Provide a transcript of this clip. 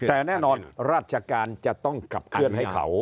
แต่แน่นอนราชการจะต้องขับเคลื่อนให้เขา